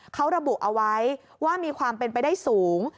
เขาระบุเอาไว้ว่ามีความเป็นไปได้สูง